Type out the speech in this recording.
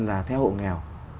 là theo hộ nghèo